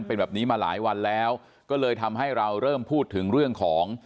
เป็นแบบนี้มาหลายวันแล้วก็เลยทำให้เราเริ่มพูดถึงเรื่องของ